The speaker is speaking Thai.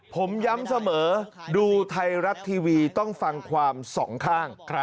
ผมย้ำเสมอดูไทยรัฐทีวีต้องฟังความสองข้าง